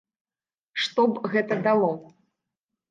Што б гэта дало?